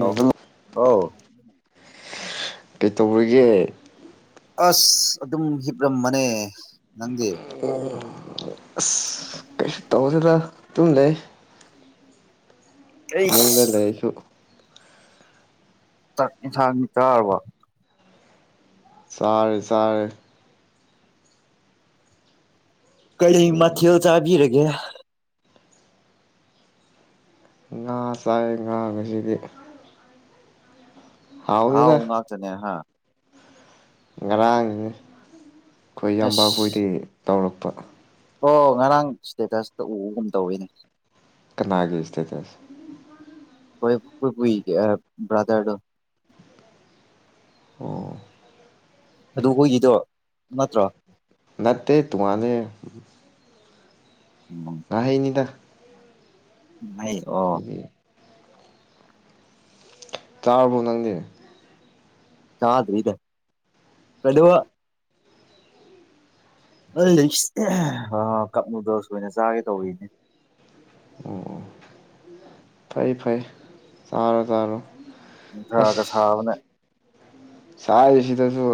ꯑ ꯑꯥꯎ ꯀꯩ ꯇꯧꯔꯒꯦ ꯑꯁ ꯑꯗꯨꯝ ꯍꯤꯞꯔꯝꯕꯅꯦ ꯎꯝ ꯇꯧꯕꯗꯨꯗ ꯑꯗꯨꯝ ꯂꯩ ꯑꯩꯁ ꯐꯃꯨꯡꯗ ꯂꯩꯔꯁꯨ ꯆꯥꯛ ꯏꯟꯁꯥꯡꯅꯤ ꯆꯥꯔꯕ ꯁꯥꯔꯦ ꯁꯥꯔꯦ ꯀꯂꯤꯩ ꯃꯥꯊꯤꯜ ꯆꯥꯕꯤꯔꯒꯦ ꯉꯥ ꯆꯥꯏ ꯉꯥꯕꯁꯤꯗꯤ ꯑꯥꯎ ꯎ ꯉꯥꯛꯇꯅꯦ ꯍꯥ ꯉꯔꯥꯡ ꯑꯩꯈꯣꯏ ꯏꯕ ꯑꯁ ꯑꯩꯈꯣꯏꯗꯤ ꯇꯧꯔꯛꯄ ꯑꯣ ꯉꯔꯥꯡ ꯏꯁꯇꯦꯇꯁꯇ ꯎꯕꯒꯨꯝ ꯇꯧꯋꯤꯅꯦ ꯀꯅꯥꯒꯤ ꯏꯁꯇꯇ ꯑꯁꯤ ꯀꯣꯏꯣꯏ ꯄꯨꯏ ꯭ꯔꯗꯔꯗꯣ ꯑꯣ ꯑꯗꯨ ꯑꯩꯈꯣꯏꯒꯤꯗꯣ ꯅꯠꯇ꯭ꯔꯣ ꯅꯇꯩ ꯇꯨꯃꯅ ꯎꯝ ꯑꯦꯅꯤꯗ ꯑꯣ ꯇꯥ ꯅꯗꯦ ꯆꯥꯗꯔꯤꯗ ꯀꯩꯅꯣ ꯀꯞ ꯅꯨꯗꯜꯁ ꯑꯣꯏꯅ ꯆꯥꯒꯦ ꯇꯧꯔꯤꯅꯦ ꯐꯩ ꯐꯩ ꯇꯔꯣ ꯇꯥꯔꯣ ꯊꯒ ꯁꯥꯕꯅꯦ ꯁꯥꯁꯤꯗꯁꯨ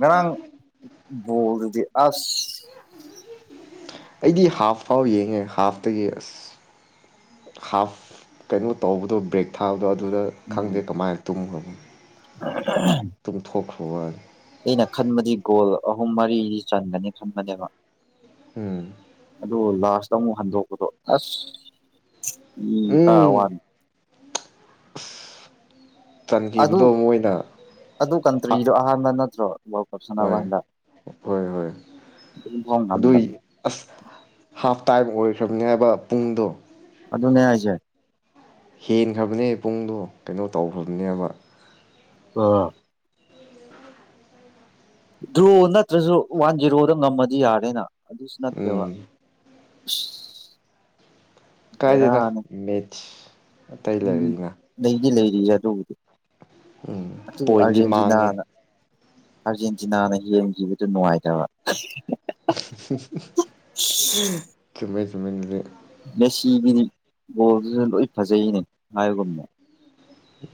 ꯎ ꯃꯥꯡ ꯣꯗꯤ ꯑꯁ ꯑꯩꯗꯤ ꯍꯥꯐ ꯐꯥꯎ ꯌꯦꯡꯉꯦ ꯍꯥꯐꯇꯒꯤ ꯑꯁ ꯍꯥꯐ ꯀꯩꯅꯣ ꯇꯧꯕꯗꯣ ꯕ꯭ꯔꯦꯛ ꯊꯥꯕꯗꯣ ꯑꯗꯨꯗ ꯈꯪꯗꯦ ꯀꯃꯥꯏꯅ ꯇꯨꯝꯈ ꯎ ꯇꯨꯝꯊꯣꯛꯈ꯭ꯔꯦ ꯈꯣꯏ ꯑꯩꯅ ꯈꯟꯕꯗꯤ ꯒꯣꯜ ꯑꯍꯨꯝ ꯃꯔꯤꯗꯤ ꯆꯟꯒꯅꯤ ꯈꯟꯕꯅꯦꯕ ꯎꯝ ꯑꯗꯨ ꯂꯥꯁꯇ ꯑꯃꯨꯛ ꯍꯟꯗꯣꯛꯄꯗꯣ ꯑꯁ ꯎꯝ ꯀ ꯋꯥꯅꯤ ꯑꯗꯨ ꯆꯟꯈꯤꯕꯗꯣ ꯃꯣꯏꯅ ꯑꯗꯨ ꯀꯟꯇ꯭ꯔꯤꯗꯣ ꯑꯍꯥꯟꯕꯅ ꯑ ꯍꯣꯏ ꯍꯣꯏ ꯍꯣꯏ ꯑꯗꯨꯐꯥꯎ ꯑꯗꯨꯏ ꯉꯝꯗꯕ ꯑꯁ ꯍꯥ ꯇꯥꯏꯝ ꯑꯣꯏꯈ꯭ꯔꯕꯅꯤ ꯍꯥꯏꯕ ꯄꯨꯡꯗꯣ ꯑꯗꯨꯅꯦ ꯍꯥꯏꯁꯦ ꯍꯦꯟꯈ꯭ꯔꯕꯅꯦ ꯄꯨꯡꯗꯣ ꯀꯩꯅꯣ ꯇꯧꯈ꯭ꯔꯕꯅꯦꯕ ꯑ ꯗ꯭ꯔꯣ ꯅꯠꯇ꯭ꯔꯁꯨ ꯋꯥꯟ ꯖꯦꯔꯣꯗ ꯉꯝꯃꯗꯤ ꯌꯥꯔꯦꯅ ꯑꯗꯨꯗꯨꯁꯨ ꯅꯠꯇꯕ ꯎꯝ [unintelligible] ꯀꯥꯏ ꯊꯦꯇ ꯃ ꯇꯏ ꯂ ꯉ ꯂꯩꯔꯤꯁꯦ ꯑꯗꯨꯕꯨꯗꯤ ꯎꯝ ꯑꯗꯨ ꯄꯣꯏꯟꯗꯤ ꯃꯥꯡꯉꯦ ꯑꯥꯔꯖꯦꯟꯇꯤꯅꯥꯅ ꯑꯥꯔꯖꯦꯟꯇꯤꯅꯥꯅ ꯌꯦꯡꯈꯤꯕꯗꯨ ꯅꯨꯡꯉꯥꯏꯇꯕ ꯇꯨꯝ ꯃꯦꯁꯤꯒꯤꯅꯤ ꯕꯣꯜꯗꯨꯁꯨ ꯂꯣꯏ ꯐꯖꯩꯅꯦ ꯍꯥꯏꯒꯨꯝꯅꯦ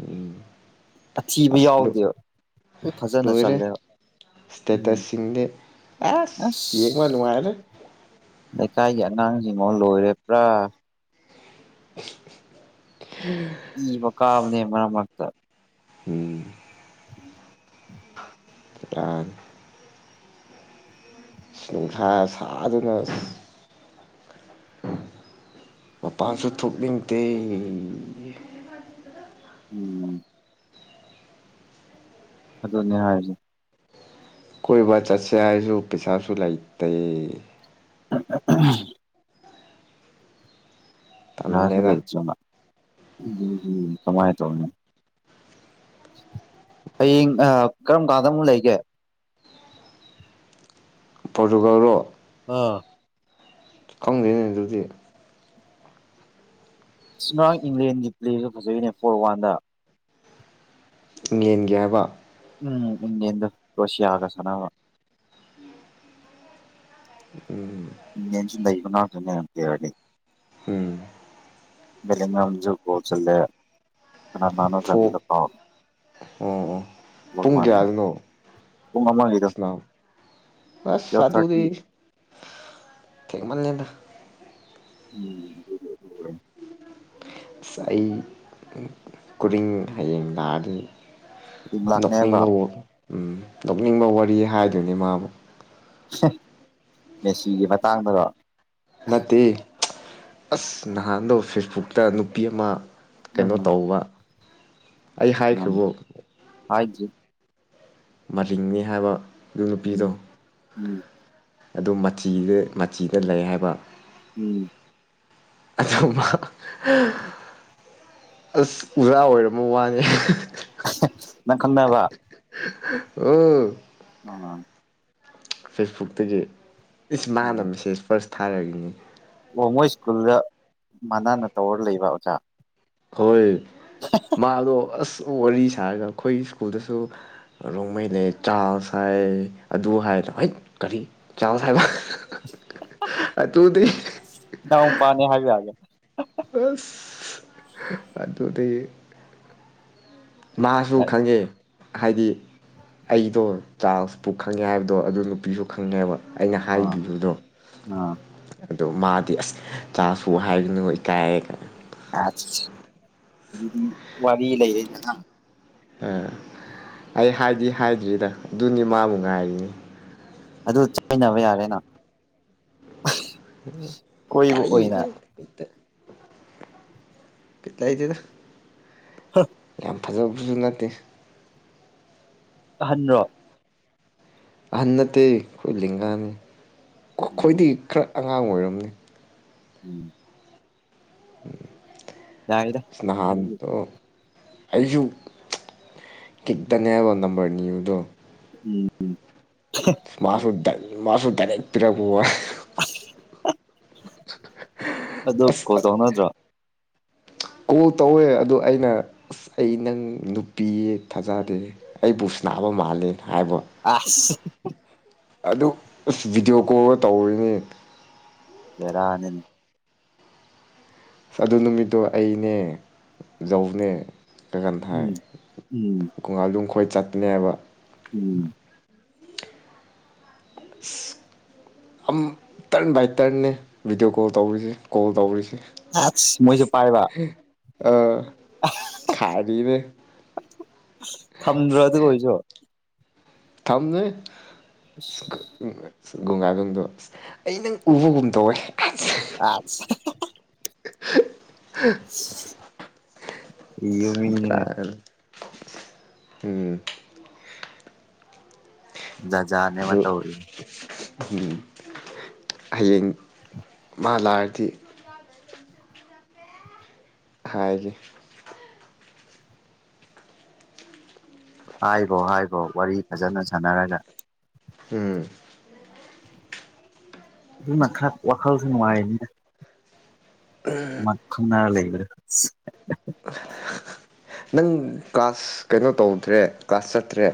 ꯎꯝ ꯑꯊꯤꯕ ꯑꯁ ꯂꯜ ꯌꯥꯎꯗꯦꯕ ꯐꯖꯅ ꯂꯣꯏꯔꯦ ꯆꯜꯂꯦꯕ ꯁꯇꯦꯇ꯭ꯁ ꯎꯝ ꯁꯤꯡꯗꯤ ꯑꯁ ꯌꯦꯡꯕ ꯅꯨꯡꯉꯥꯏꯔꯦ ꯂꯩꯀꯥꯏꯒꯤ ꯑꯉꯥꯡꯁꯤꯡꯉꯣ ꯂꯣꯏꯔꯕ꯭ꯔꯥ [inaudible] ꯏ ꯀꯥꯕꯅꯦ ꯃꯔꯛ ꯃꯔꯛꯇ ꯎꯝ ꯆꯗꯥꯡ [unintelligible] ꯅꯨꯡꯁꯥ ꯁꯥꯗꯨꯅ ꯃꯄꯥꯥꯡꯁꯨ ꯊꯣꯛ ꯅꯤꯡꯗꯦ ꯎꯝ ꯑꯗꯨꯅꯦ ꯍꯥꯏꯁꯦ ꯀꯣꯏꯕ ꯆꯠꯁꯦ ꯍꯥꯏꯁꯨ ꯄꯩꯁꯥꯁꯨ ꯂꯩꯇꯦ ꯎꯝ [unintelligible] ꯇꯜꯂꯦꯗ ꯂꯩꯇꯔꯥꯕ ꯎꯝ ꯎꯝ ꯀꯃꯥꯏ ꯇꯧꯗꯣꯏꯅꯦ ꯍꯌꯦꯡ ꯀꯔꯝ ꯀꯥꯟꯗ ꯑꯃꯨꯛ ꯂꯩꯒꯦ ꯄꯣꯔꯇꯨꯒꯜꯂꯣ ꯑꯥ ꯈꯪꯗꯦꯅꯦ ꯑꯗꯨꯗꯤ ꯁꯨꯔꯥꯡ ꯏꯪꯂꯦꯟꯒꯤ ꯄ꯭ꯂꯦꯁꯨ ꯐꯖꯩꯅꯦ ꯐꯣꯔ ꯋꯥꯟꯗ ꯌꯦꯡꯒꯦ ꯍꯥꯏꯕ ꯎꯝ [unintelligible] ꯔꯥꯁꯤꯌꯥꯚ ꯁꯅ ꯎꯝ ꯆꯤꯟꯗ ꯏꯕꯅꯥꯟꯅ ꯌꯥꯝ ꯀꯔꯅꯤ ꯎꯝ [unintelligible] ꯖꯨ ꯒꯣꯜ ꯆꯜꯂꯦ ꯀꯅꯥ ꯀꯅꯥꯅꯣ ꯐꯣꯛ ꯆꯪꯕꯗ ꯀꯥꯎꯔꯦ ꯑꯣ ꯑꯣ ꯄꯨꯡ ꯀꯌꯥꯗꯅꯣ ꯃꯃꯥꯡꯒꯤꯗꯣ ꯁꯥꯟꯅꯕ ꯑꯁ ꯊꯔꯇꯤ ꯀꯜꯂꯦꯗ ꯎꯝ ꯑꯗꯨ ꯑꯁ ꯑꯩ ꯀꯔꯤꯡ ꯍꯌꯦꯡ ꯂꯥꯛꯑꯗꯤ ꯂꯥꯛꯅꯦꯕ ꯅꯣꯛꯅꯤꯡꯕꯋꯣ ꯋꯥꯣ ꯎꯝ ꯅꯣꯛꯅꯤꯡꯕ ꯋꯥꯔꯤ ꯍꯥꯏꯗꯣꯏꯅꯦ ꯃꯥꯕꯨ ꯃꯦꯁꯤꯒꯤ ꯃꯇꯥꯡꯗꯗꯣ ꯅꯠꯇꯦ ꯑꯁ ꯅꯍꯥꯟꯗ ꯐꯦꯁꯕꯨꯛꯇ ꯅꯨꯄꯤ ꯑꯃ ꯀꯩꯅꯣ ꯎꯝ ꯇꯧꯕ ꯑꯩ ꯎꯝ ꯍꯥꯏꯈꯔꯤꯕꯣ ꯍꯥꯏꯗ꯭ꯔꯤ ꯃꯔꯤꯡꯅꯤ ꯍꯥꯏꯕ ꯑꯗꯨ ꯅꯨꯄꯤꯗꯣ ꯎꯝ ꯎꯝ ꯑꯗꯨ ꯃꯆꯤꯒ ꯃꯆꯤꯗ ꯂꯩ ꯍꯥꯏꯕ ꯎꯝ ꯑꯗꯨ ꯑꯁ ꯎꯖꯥ ꯑꯣꯏꯔꯝꯃ ꯋꯥꯅꯦ ꯅꯪ ꯀꯟꯅꯕ ꯎꯝ ꯑ ꯐꯦꯁꯕꯨꯛꯛꯇꯒꯤ ꯏꯁ ꯎꯝ ꯃꯥꯅꯁꯤꯦꯁ ꯏꯁ ꯄ ꯊꯥꯔꯏꯅꯤ ꯑꯣ ꯃꯣꯏ ꯁ꯭ꯀꯨꯜꯗ ꯃꯅꯥꯟꯅ ꯇꯧꯔ ꯂꯩꯕ ꯑꯣꯖꯥ ꯍꯣꯏ ꯃꯥꯗꯣ ꯑꯁ ꯋꯥꯔꯤ ꯁꯥꯔꯒ ꯑꯩꯈꯣꯏ ꯁ꯭ꯀꯨꯜꯗꯁꯨ ꯅꯣꯡꯃꯩꯅꯩ ꯆꯥꯔꯁ ꯍꯥꯏ ꯑꯗꯨ ꯍꯥꯏꯅ ꯍꯣꯏ ꯀꯔꯤ ꯆꯥꯔꯁ ꯍꯥꯏꯕ ꯑꯗꯨꯗꯤ ꯅꯎ ꯄꯥꯅꯦ ꯍꯥꯏꯒ ꯍꯥꯏꯒꯦ ꯑꯁ ꯑꯗꯨꯗꯗ ꯃꯥꯁꯨ ꯈꯪꯉꯦ ꯍꯥꯏꯗꯤ ꯑꯩꯗꯣ ꯆꯥꯛꯄ ꯈꯪꯉꯦ ꯍꯥꯏꯕꯗꯣ ꯑꯗꯨ ꯅꯨꯄꯤꯁꯨ ꯈꯪꯉꯦꯕ ꯑꯩꯅ ꯑꯥ ꯍꯥꯏꯈꯤꯕꯗꯣ ꯑꯥ ꯑꯗꯣ ꯃꯥꯗꯤ ꯑꯁ ꯆꯥꯁꯨ ꯍꯥꯏꯕꯅ ꯏꯀꯥꯏꯦ ꯀꯥꯏꯩꯅ ꯑꯗꯨꯗꯤ ꯋꯥꯔꯤ ꯂꯩ ꯑ ꯅ ꯅꯪ ꯑꯥ ꯑꯩ ꯍꯥꯏꯗꯤ ꯍꯥꯏꯗ꯭ꯔꯤꯗ ꯑꯗꯨꯅꯤ ꯃꯥꯕꯨ ꯉꯥꯏꯔꯤꯅꯤ ꯑꯗꯨ ꯆꯥꯏꯅꯕ ꯌꯥꯔꯦꯅ ꯀꯣꯏꯕ ꯀꯔꯤ ꯑꯣꯏꯅ ꯄꯠꯇ ꯏꯗꯗ ꯍꯥ ꯐꯖꯕꯕꯁꯨ ꯅꯠꯇꯦ ꯑꯍꯟ꯭ꯔꯣ ꯑꯍꯟꯅꯠꯇ ꯑꯩꯈꯣꯏ ꯂꯤꯒꯥꯅꯤ ꯎꯝ ꯈꯣꯏꯗꯤ ꯈꯔ ꯑꯉꯥꯡ ꯑꯣꯏꯔꯝꯅꯤ ꯎꯝ ꯌꯥꯏꯗ [unintelligible] ꯁ ꯑꯗꯨꯗꯤ ꯅꯍꯥꯟꯗ ꯑꯩꯁꯨ ꯀꯤꯛꯇꯅꯦꯕ ꯅꯝꯕꯔ ꯅꯤꯗꯣ ꯎꯝ ꯏꯁꯃꯥꯗ ꯃꯥꯁꯨ ꯇꯔ ꯇꯔꯄꯣ ꯑ ꯑꯗꯨ ꯀꯣ ꯇꯧ ꯅꯗ꯭ꯔꯥ ꯀ ꯇꯧꯋꯦ ꯑꯗꯣ ꯑꯩꯅ ꯑꯁ ꯑꯩ ꯅꯪ ꯅꯨꯄꯤ ꯊꯥꯖꯗꯦ ꯑꯩꯕꯨ ꯁꯅꯥꯕ ꯃꯥꯜꯂꯦ ꯍꯥꯏꯕ ꯑ ꯑꯗꯨ ꯑꯁ ꯚꯤꯗꯤꯑꯣ ꯀꯣꯜꯒ ꯇꯧꯔꯤꯅꯤ ꯂꯩꯔꯅꯤꯅꯤ ꯑꯗꯨ ꯅꯨꯃꯤꯠꯇꯣ ꯑꯩꯅꯦ ꯖꯧꯅꯦ ꯂꯒꯟ ꯊꯥꯏ ꯎꯝ ꯎꯝ ꯀꯣꯉꯥꯏꯖꯨꯝ ꯈꯣꯏ ꯆꯠꯄꯅꯦꯕ ꯎꯝ ꯑꯁ ꯑꯝ ꯇꯔꯟ ꯕꯥꯏ ꯇꯔꯟꯅꯦ ꯚꯤꯗꯤꯑꯣ ꯀꯣꯜ ꯇꯧꯔꯤꯖꯦ ꯀꯣꯜ ꯇꯧꯔꯤꯖꯦ ꯑꯁ ꯃꯣꯏꯖꯨ ꯄꯥꯏꯕ? ꯑꯥ ꯑꯍꯝ ꯊꯝꯗ꯭ꯔꯣ ꯑꯗꯨꯑꯣꯏꯖꯨ? ꯊꯝꯗꯦ꯫ ꯎꯝ ꯁ ꯨꯝꯒꯥꯒꯨꯝꯗꯣ ꯑꯁ ꯑꯩ ꯅꯪ ꯎꯕꯒꯨꯝ ꯇꯧꯋꯦ꯫ ꯑꯁ ꯍꯦꯍꯦꯍꯦ [unintelligible] [unintelligible] ꯏꯕ ꯃꯤꯅꯤꯅꯦ ꯗꯔꯥꯒ ꯎꯝ ꯖꯥꯠꯖꯥꯅꯦꯕ ꯇꯧꯔꯤ ꯎꯝ ꯍꯌꯦꯡ ꯃꯥ ꯂꯥꯛꯔꯗꯤ ꯈꯥꯏꯒꯦ ꯍꯥꯏꯒꯣ ꯍꯥꯏꯒꯣ ꯋꯥꯔꯤ ꯐꯖꯅ ꯁꯥꯟꯅꯔꯒ꯫ ꯎꯝ ꯑꯗꯨꯅ ꯈꯔ ꯋꯥꯈꯜꯁꯨ ꯅꯨꯡꯉꯥꯏꯅꯤꯅ꯫ ꯃꯥ ꯈꯪꯅꯔ ꯂꯩ [unintelligible] ꯅꯪ ꯀ꯭ꯂꯥꯁ ꯀꯩꯅꯣ ꯇꯧꯗ꯭ꯔꯦ ꯀ꯭ꯂꯥꯁ ꯆꯠꯇ꯭ꯔꯦ?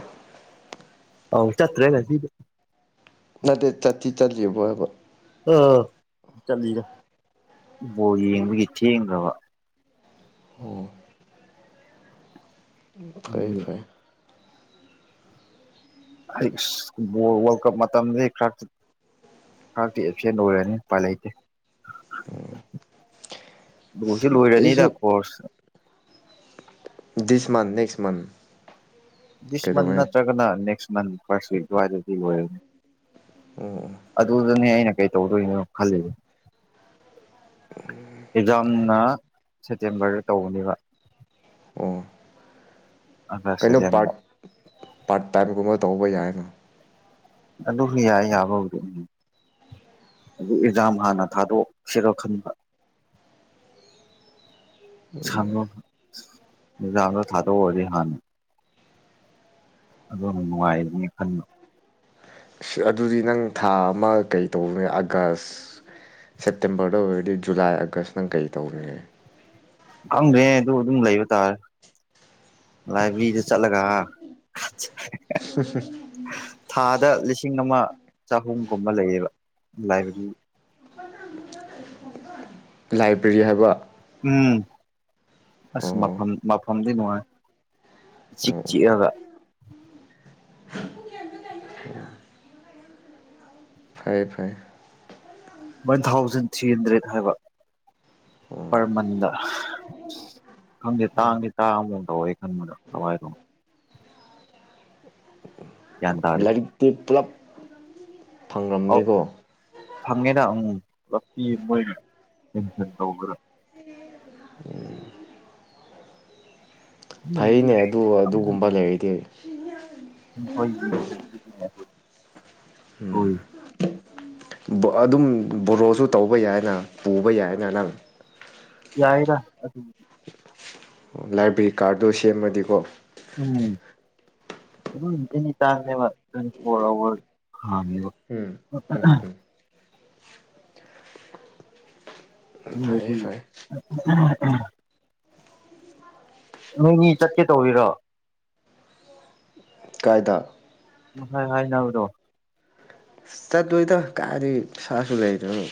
ꯑꯥꯎ ꯆꯠꯇ꯭ꯔꯦ ꯉꯁꯤꯗꯤ꯫ ꯅꯠꯇꯦ ꯆꯠꯇꯤ ꯆꯠꯂꯤꯕꯣ ꯍꯥꯏꯕ? ꯑ ꯆꯠꯂꯤꯗ ꯕꯣꯜ ꯌꯦꯡꯕꯒꯤ ꯊꯦꯡꯈ꯭ꯔꯕ꯫ ꯑꯣ ꯐꯩ ꯐꯩ ꯑꯩꯁ ꯕꯣꯜ ꯋꯥꯔꯜ ꯀꯞ ꯃꯇꯝꯗꯤ ꯈꯔꯛ ꯈꯔꯛꯇꯤ ꯑꯦꯞꯁꯦꯟ ꯑꯣꯏꯔꯅꯤ ꯎꯄꯥꯏ ꯂꯩꯇꯦ꯫ ꯎꯝ ꯂꯣꯏꯗꯤ ꯂꯣꯏꯔꯅꯤꯗ course this month next month this ꯃꯟ ꯅꯠꯇ꯭ꯔꯒꯅꯥ ꯅꯦꯛꯁ ꯅ ꯐꯔꯁ ꯋꯤꯛ ꯑꯗꯋꯥꯏꯗꯗꯤ ꯂꯣꯏꯔꯅꯤ꯫ ꯎꯝ ꯑꯗꯨꯅꯦ ꯑꯩꯅ ꯀꯩ ꯇꯧꯗꯣꯏꯅꯣ ꯈꯜꯂꯤꯕ꯫ ꯑꯦꯛꯖꯥꯝꯅ ꯁꯦꯞꯇꯦꯝꯕꯔꯗ ꯇꯧꯕꯅꯦꯕ ꯑꯣ ꯀꯩꯅꯣ ꯑꯥꯒꯁꯇꯗꯤ‌ ꯑꯃꯨꯛ ꯄꯥꯔꯠ ꯄꯥꯔꯠ ꯇꯥꯏꯝꯒꯨꯝꯕ ꯇꯧꯕ ꯌꯥꯏꯅ ꯑꯗꯨꯁꯨ ꯌꯥꯏ ꯌꯥꯕ ꯕꯨꯗꯤ ꯑꯗꯨ ꯑꯦꯛꯖꯥꯝ ꯍꯥꯟꯅ ꯊꯥꯗꯣꯛꯁꯤꯔ ꯈꯟꯕ ꯁꯥꯡꯉꫭ ꯑꯦꯛꯖꯥꯥꯝꯗꯣ ꯊꯥꯗꯣꯛꯎꯔꯗꯤ ꯍꯥꯟꯅ ꯑꯗꯣꯅ ꯅꯨꯡꯉꯥꯏꯔꯅꯤ ꯈꯟꯕ ꯑꯗꯨꯗꯤ ꯅꯪ ꯊꯥ ꯑꯃ ꯀꯩ ꯇꯧꯅꯤ ꯑꯥꯒꯁ ꯁꯦꯞꯇꯦꯝꯕꯔꯗ ꯑꯣꯏꯔꯗꯤ ꯖꯨꯂꯥꯏ ꯑꯥꯒꯁ ꯅꯪ ꯀꯩ ꯇꯧꯅꯤ ꯈꯪꯗ꯭ꯔꯦ ꯑꯗꯨ ꯑꯗꯨꯝ ꯂꯩꯕ ꯇꯥꯔꯦ ꯂꯥꯏꯕ꯭ꯔꯦꯔꯤꯗ ꯆꯠꯂꯒ [inaudible] [inaudible] ꯊꯥꯗ ꯂꯤꯁꯤꯡ ꯑꯃ ꯆꯍꯨꯝꯒꯨꯝꯕ ꯂꯩꯌꯦꯕ ꯂꯥꯏꯕ꯭ꯔꯦꯔꯤ ꯂꯥꯏꯕ꯭ꯔꯦꯔꯤ ꯍꯥꯏꯕ ꯎꯝ ꯑꯁ ꯃ ꯑꯣ ꯃꯐꯝꯗꯤ ꯅꯨꯡꯉꯥꯏ ꯏꯆꯤꯛ ꯑꯣ ꯆꯤꯛꯑꯒ ꯐꯔꯦ ꯐꯔꯦ ꯋꯥꯟ ꯊꯥꯎꯖꯟ ꯊ꯭ꯔꯤ ꯍꯟꯗ꯭ꯔꯦꯗ ꯍꯥꯏꯕ ꯄꯔ ꯃꯟꯗ ꯈꯪꯗꯦ ꯇꯥꯡꯗꯤ ꯇꯥꯡꯕꯒꯨꯝ ꯇꯧꯋꯦ ꯈꯟꯕꯗ‌ ꯀꯋꯥꯏꯗꯅꫭ ꯒ꯭ꯌꯥꯟ ꯇꯥꯗꯦ ꯂꯔꯤꯛꯇꯤ ꯄꯨꯂꯞ ꯐꯪꯔꯝꯅꯤꯀꯣ ꯊꯝꯒꯦꯅ ꯑꯃꯨꯛ ꯄꯨꯂꯞ ꯄꯤ ꯃꯣꯏꯅ ꯀꯦꯟꯁ ꯇ꯭ꯔꯥ ꯐꯩꯅꯦ ꯑꯗꯨ ꯑꯗꯨꯒꯨꯝꯕ ꯂꯩꯔꯗꯤ [inaudible] ꯍꯣꯏ ꯑꯗꯨꯝ ꯕꯣꯔꯣꯁꯨ ꯇꯧꯕ ꯌꯥꯏꯅ ꯄꯨꯕ ꯌꯥꯏꯅ ꯅꯪ ꯌꯥꯏꯗ ꯑꯗꯨ ꯑꯣ ꯂꯥꯏꯕ꯭ꯔꯦꯔꯤ ꯀꯥꯔꯗꯣ ꯁꯦꯝꯃꯗꯤꯀꯣ ꯎꯝ ꯑꯗꯨꯝ ꯑꯦꯅꯤ ꯇꯥꯏꯝꯅꯦꯕ ꯇ꯭ꯋꯦꯟꯇꯤ ꯐꯣꯔ ꯑꯋꯥꯔ ꯍꯥꯡꯉꯦꯕ ꯎꯝ ꯎꯝ ꯐꯩꯌꯦ ꯐꯩꯌꯦ ꯎꯝ ꯎꯝ [unintelligible] ꯅꯣꯏꯅꯤ ꯆꯠꯀꯦ ꯇꯧꯔꯤꯔꯣ ꯀꯥꯏꯗ ꯉꯥꯁꯥꯏ ꯍꯥꯏꯅꯕꯗꯣ ꯆꯠꯂꫭꯏꯗ ꯀꯥꯏꯗꯒꯤ ꯄꯩꯁꯥꯁꯨ ꯂꯩꯇꯅ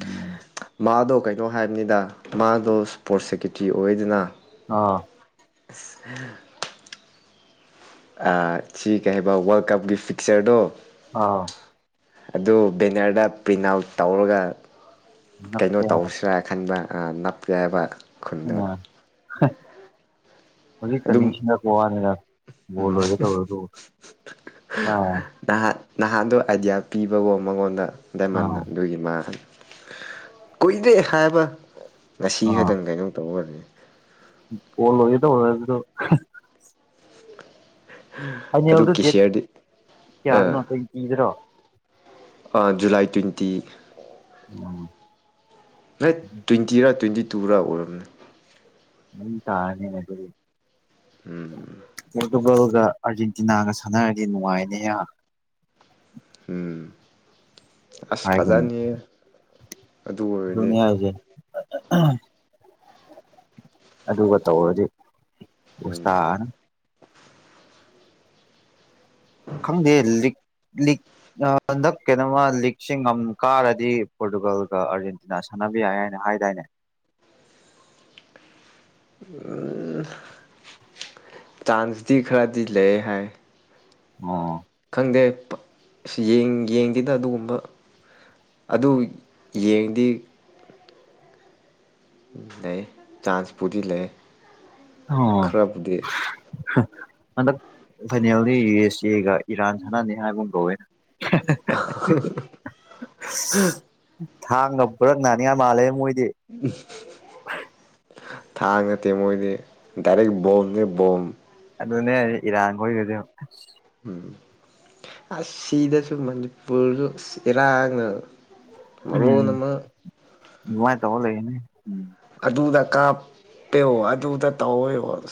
ꯎꯝ ꯃꯥꯗꯣ ꯀꯩꯅꯣ ꯍꯥꯏꯕꯅꯤꯗ ꯃꯥꯗꯣ ꯁ꯭ꯄꯣꯔꯠ ꯁꯦꯀꯦꯇ꯭ꯔꯤ ꯑꯣꯏꯗꯅ ꯑꯥ [inaudible] ꯑ ꯁꯤ ꯀꯩ ꯍꯥꯏꯕ ꯋꯥꯔꯜ ꯀꯞꯀꯤ ꯐꯤꯛꯆꯔꯗꯣ ꯑ ꯑꯗꯨ ꯕꯦꯅꯔꯗ ꯄ꯭ꯔꯤꯟꯠ ꯑꯥꯎꯠ ꯇꯧꯔꯒ ꯀꯩꯅꯣ ꯅꯛꯁꯦ ꯍꯥꯏꯕ ꯇꯧꯁ꯭ꯔꯥ ꯈꯟꯕ ꯑꯥ ꯅꯞꯇꯦ ꯍꯥꯏꯕ ꯈꯨꯟꯗ ꯍꯥ ꯍꯧꯖꯤꯛꯇ ꯑꯗꯨꯝ ꯅꯤꯡꯁꯤꯡꯉꯛꯄ ꯋꯥꯅꯤꯗ ꯕꯣꯜ ꯂꯣꯏꯒꯦ ꯇꯧꯔꯗꯨꯕꯨ ꯑꯦꯌꯥꯎ ꯅꯍꯥꯟ ꯅꯍꯥꯟꯗꯣ ꯑꯥꯏꯗꯤꯌꯥ ꯄꯤꯕꯑꯣ ꯃꯉꯣꯟꯗ ꯗꯥꯏꯃꯟꯅ ꯑꯥ ꯑꯗꯨꯒꯤ ꯃꯥ ꯀꯨꯏꯗꯦ ꯍꯥꯏꯕ ꯉꯁꯤ ꯈꯛꯇꯪ ꯀꯩꯅꯣ ꯇꯧꯕ ꯂꯩ ꯍꯣꯂꯣꯏꯗ ꯑꯣꯏꯕꯗꯨ ꯍꯥ ꯐꯥꯏꯅꯦꯜ ꯑꯗꯨ ꯗꯣ ꯗꯦꯠ ꯀꯦꯁꯤꯌꯔꯗꯤ ꯀꯌꯥꯗꯅꯣ ꯇꯨ꯭ꯋꯦꯟꯇꯤ ꯗꯔꯣ ꯑꯥ ꯖꯨꯂꯥꯏ ꯇ꯭ꯋꯦꯟꯇꯤ ꯎꯝ [unintelligible] ꯑꯩꯠ ꯇ꯭ꯋꯦꯟꯇꯤ ꯔ ꯇ꯭ꯋꯦꯟꯇꯤ ꯇꯨꯔꯥ ꯑꯣꯏꯔꯝꯃꯤ ꯗꯨꯝ ꯇꯥꯔꯅꯤꯅꯦ ꯑꯗꯨꯗꯤ ꯎꯝ ꯄꯣꯔꯇꯨꯒꯜꯒ ꯑꯥꯔꯖꯦꯟꯇꯤꯅꯥꯒ ꯁꯥꯟꯅꯔꯗꯤ ꯅꯨꯡꯉꯥꯏꯅꯤ ꯍꯥ ꯎꯝ ꯑꯁ ꯍꯥꯏꯒꯨꯝ ꯐꯖꯥꯅꯤ ꯍꯦ ꯑꯗꯨ ꯑꯣꯏꯔꯗꯤ ꯑ-ꯑ-ꯍꯝ ꯑꯗꯨꯒ ꯇꯧꯔꯗꯤ ꯄꯣꯁ ꯎꯝ ꯇꯥ ꯈꯪꯗꯦ ꯂꯤꯛ ꯂꯤꯛ [unintelligible] ꯍꯟꯗꯛ ꯀꯩꯅꯣꯝꯃ ꯂꯤꯛꯁꯤ ꯉꯝ ꯀꯥꯔꯗꯤ ꯄꯣꯔꯇꯨꯒꯜꯒ ꯑꯥꯔꯖꯦꯟꯇꯤꯅꯥ ꯁꯥꯟꯅꯕ ꯌꯥꯏ ꯍꯥꯏꯅ ꯍꯥꯏꯗꯥꯏꯅꯦ ꯎꯝ ꯆꯥꯟꯁꯇꯗꯤ ꯈꯔꯗꯤ ꯂꯩꯌꯦ ꯍꯥꯏ ꯑꯣ ꯈꯪꯗꯦ ꯑ ꯌꯦꯡꯗꯦꯗ ꯑꯗꯨꯒꯨꯝꯕ ꯑꯗꯨ ꯌꯦꯡꯗꯤ ꯂꯩ ꯆꯥꯟꯁꯄꯗꯤ ꯂꯩ ꯈꯔꯞꯕꯨꯗꯤ ꯑꯗ ꯐꯅꯤꯎꯗꯤ ꯌꯨ ꯑꯦꯁ ꯁꯤꯒ ꯏꯔꯥꯟ ꯁꯥꯟꯅꯅꯤ ꯍꯥꯏꯒꯨꯝ ꯀꯧꯋꯦ [unintelligible] ꯊꯥꯡꯒꯨꯔꯒ ꯅꯅꯤ ꯃꯥꯜꯦ ꯃꯣꯏ ꯎꯝ ꯊꯥꯡ ꯅꯠꯇꯦ ꯃꯣꯏꯗꯤ ꯗꯥꯏꯔꯦꯛ ꯕꯣꯝꯅꯦ ꯕꯣꯝ ꯑꯗꯨꯅꯦ ꯑꯩ ꯏꯔꯥꯡꯈꯒꯗ ꯎꯝ ꯑꯁ ꯁꯤꯗꯁꯨ ꯃꯅꯤꯄꯨꯔꯁꯨ ꯏꯔꯥꯡꯅ ꯃ ꯅ ꯑꯃ ꯅꯨꯡꯉꯥꯏꯅ ꯇꯧꯧꯕ ꯂꯩꯒꯅꯦ ꯎꯝ ꯑꯗꯨꯗ ꯀꯥꯞꯄꯦꯣ ꯑꯗꯨꯗ ꯇꯧꯑꯣꯣ [unintelligible]